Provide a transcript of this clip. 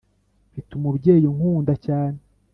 mfite umubyeyi unkunda cyane